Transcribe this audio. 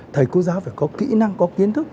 thầy cô giáo phải có kỹ năng có kiến thức